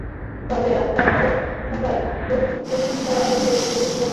তবে রাস্তায় বরফ থাকায় বাসিন্দাদের ধীর গতিতে গাড়ি চালাতে বলা হয়েছে।